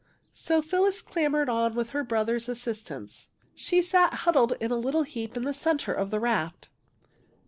" So Phyllis clambered on with her brother's assistance. She sat huddled in a little heap in the centre of the raft.